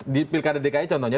di pilkada dki contohnya